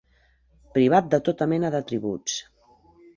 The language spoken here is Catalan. Privat de tota mena d'atributs.